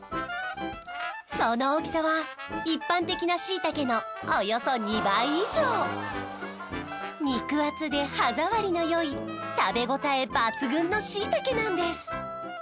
その大きさは一般的な椎茸のおよそ２倍以上肉厚で歯触りのよい食べ応え抜群の椎茸なんです